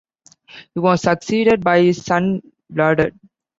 He was succeeded by his son Bladud.